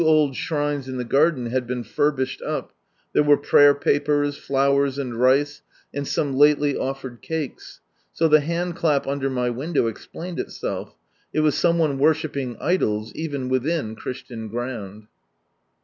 old s 65 shrines in the garden had been furbished up, there were prayer papers, flowers, and rice, and some lately offered cakes, so the hand clap under my window explained itself, it was some one wor shipping idols, even within Chrislian ground.